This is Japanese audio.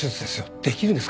できるんですか？